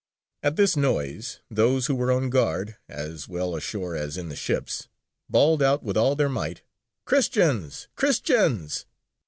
At this noise, those who were on guard, as well ashore as in the ships, bawled out with all their might, 'Christians! Christians!'